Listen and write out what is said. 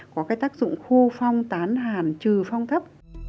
có cái tác dụng khu phong tán hàn trừ phong thấp